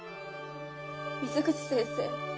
水口先生